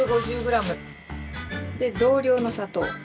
で同量の砂糖。